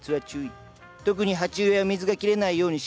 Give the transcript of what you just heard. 特に鉢植えは水が切れないようにしっかりあげて。